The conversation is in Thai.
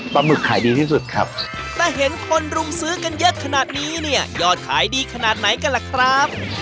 หมึกขายดีที่สุดครับแต่เห็นคนรุมซื้อกันเยอะขนาดนี้เนี่ยยอดขายดีขนาดไหนกันล่ะครับ